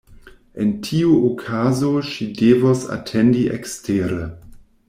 En tiu okazo ŝi devos atendi ekstere.